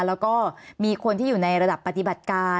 แล้วก็มีคนที่อยู่ในระดับปฏิบัติการ